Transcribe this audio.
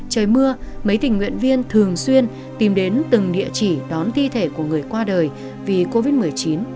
trời mưa mấy tình nguyện viên thường xuyên tìm đến từng địa chỉ đón thi thể của người qua đời vì covid một mươi chín